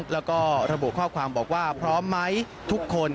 แล้วก็ระบุข้อความบอกว่าพร้อมไหมทุกคน